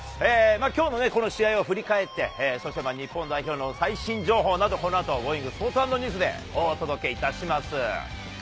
きょうのこの試合を振り返って、そして日本代表の最新情報など『Ｇｏｉｎｇ！Ｓｐｏｒｔｓ＆Ｎｅｗｓ』でお届けします。